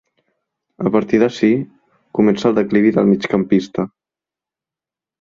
A partir d'ací comença el declivi del migcampista.